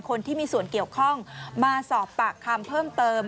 คนที่มีส่วนเกี่ยวข้องมาสอบปากคำเพิ่มเติม